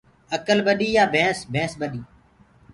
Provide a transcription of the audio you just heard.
اڪل ٻڏي يآن ڀينس ڀينس ٻڏي